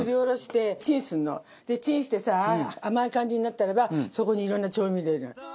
チンしてさ甘い感じになったらばそこにいろんな調味料入れる。